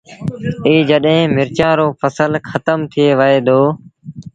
ائيٚݩ جڏهيݩ مرچآݩ رو ڦسل کتم ٿئي وهي دو